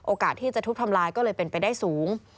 โอกาสที่จะทุกข์ทำลายก็เลยเป็นไปได้สูง